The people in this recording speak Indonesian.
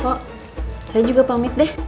kok saya juga pamit deh